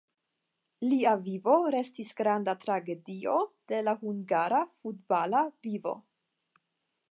Lia vivo restis granda tragedio de la hungara futbala vivo.